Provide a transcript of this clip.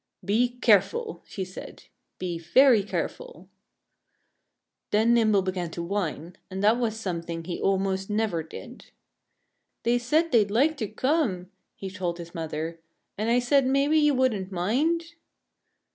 "Be careful!" she said. "Be very careful!" Then Nimble began to whine. And that was something he almost never did. "They said they'd like to come," he told his mother. "And I said maybe you wouldn't mind."